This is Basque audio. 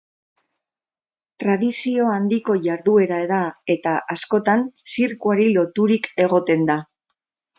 Tradizio handiko jarduera da eta, askotan, zirkuari loturik egoten da.